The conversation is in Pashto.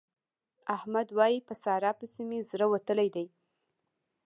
احمد وايي چې په سارا پسې مې زړه وتلی دی.